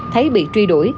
thấy bị truy đuổi